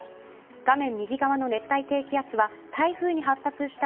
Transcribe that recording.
画面右側の熱帯低気圧は台風に発達した